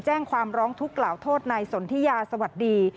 แจ้งความร้องทุกข์กล่าวโทษนายสนทิยาสวัสดี